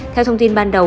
theo thông tin ban đầu